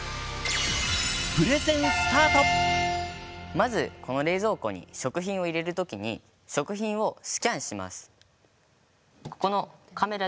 まずこの冷蔵庫に食品を入れるときに食品をスキャンします。